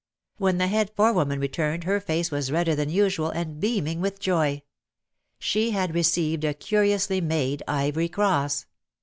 When the head forewoman returned her face was redder than usual and beaming with joy. She had re ceived a curiously made ivory cross.